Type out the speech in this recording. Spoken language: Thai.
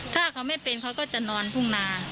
ถ้าเขาไม่เป็นเขาก็จะนอนทุ่งนา